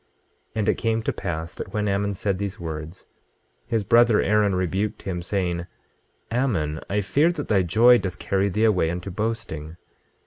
26:10 And it came to pass that when Ammon had said these words, his brother Aaron rebuked him, saying: Ammon, I fear that thy joy doth carry thee away unto boasting.